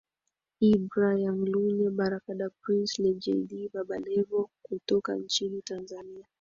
Ibrah Young Lunya Baraka Da Prince Lady Jay Dee Baba Levo kutoka nchini Tanzania